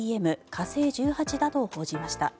火星１８だと報じました。